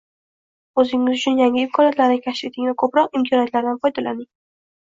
O'zingiz uchun yangi imkoniyatlarni kashf eting va ko'proq imkoniyatlardan foydalaning!